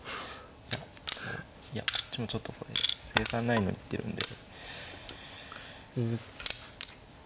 いやこういやこっちもちょっとこれ成算ないの行ってるんで。